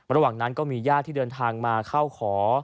ระหว่างนั้นก็มีญาติที่เดินทางมาเข้าขอ